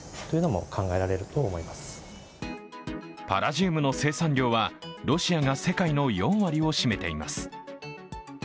パラジウムの生産量はロシアが世界の４割を占めています。